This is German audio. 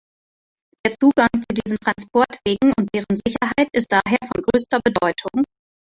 Der Zugang zu diesen Transportwegen und deren Sicherheit ist daher von größter Bedeutung.